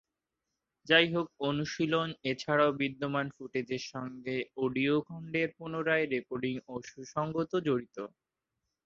যাইহোক, অনুশীলন এছাড়াও বিদ্যমান ফুটেজ সঙ্গে অডিও খন্ডের পুনরায় রেকর্ডিং ও সুসংগত জড়িত।